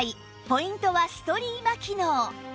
ポイントはストリーマ機能